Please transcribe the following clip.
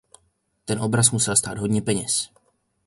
Ten obraz musel stát hodně peněz.